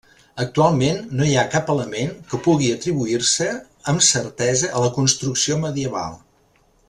Actualment no hi ha cap element que pugui atribuir-se amb certesa a la construcció medieval.